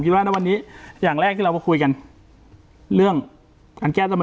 คิดว่าณวันนี้อย่างแรกคือเรามาคุยกันเรื่องการแก้สรพลม